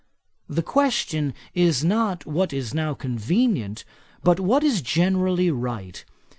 The question is not what is now convenient, but what is generally right.